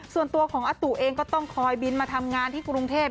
ส่วนตัวของอาตุเองก็ต้องคอยบินมาทำงานที่กรุงเทพ